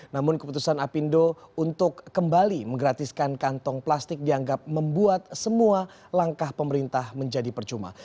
namun keputusan apindo untuk kembali menggratiskan kantong plastik dianggap membuat semua langkah pemerintah menjadi percuma